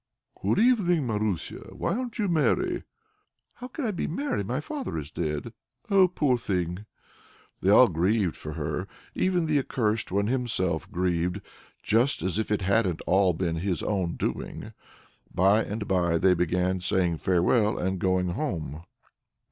"Good evening, Marusia! why arn't you merry?" "How can I be merry? My father is dead!" "Oh! poor thing!" They all grieved for her. Even the Accursed One himself grieved; just as if it hadn't all been his own doing. By and by they began saying farewell and going home.